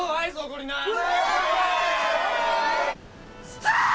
スタート！